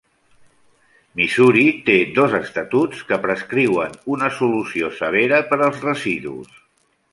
Missouri té dos estatuts que prescriuen una solució severa per als residus.